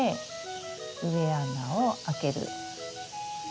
植え穴を開ける。